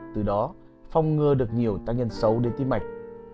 từ đó phong ngừa được nhiều tác nhân xấu đến tim mạch